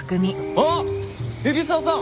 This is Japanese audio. あっ海老沢さん！